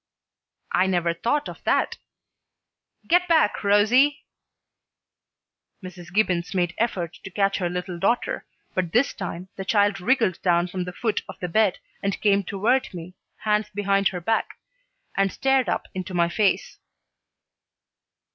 "I never thought of that. Get back, Rosie!" Mrs. Gibbons made effort to catch her little daughter, but this time the child wriggled down from the foot of the bed and came toward me, hands behind her back, and stared up into my face.